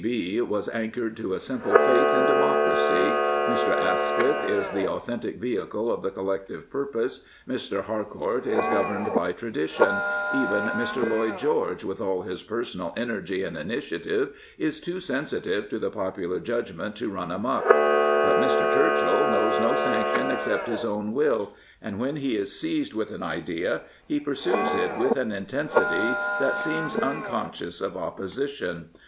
'' C. B." was anchored to a simple faith in democracy, Mr. Asquith is the authentic vehicle of the collective purpose, Mr. Harcourt is governed by tradition, even Mr. Lloyd George, with all his personal energy and initiative, is too sensitive to the popular judgment to run amuck. But Mr. Churchill knows no sanction except his own will, and when he is seized with an idea he pursues it with an intensity that seems uncon scious of opposition.